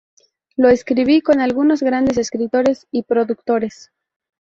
Lo escribí con algunos grandes escritores y productores.